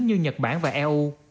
như nhật bản và eu